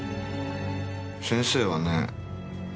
先生はね